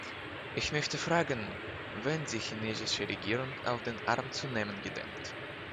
Ich möchte fragen, wen die chinesische Regierung auf den Arm zu nehmen gedenkt.